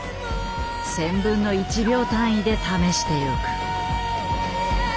１，０００分の１秒単位で試していく。